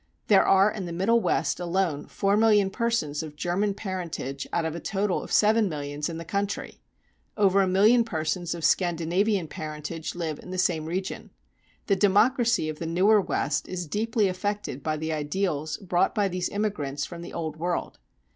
There are in the Middle West alone four million persons of German parentage out of a total of seven millions in the country. Over a million persons of Scandinavian parentage live in the same region. The democracy of the newer West is deeply affected by the ideals brought by these immigrants from the Old World.